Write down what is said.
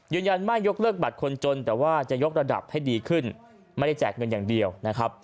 ยืนยันไม่ยกเลิกบัตรคนจนแต่ว่าจะยกระดับให้ดีขึ้นไม่ได้แจกเงินอย่างเดียวนะครับ